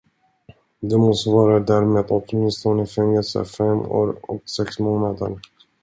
Det motsvarar därmed åtminstone fängelse fem år och sex månader.